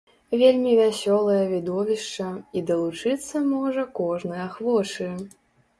Вельмі вясёлае відовішча, і далучыцца можа кожны ахвочы!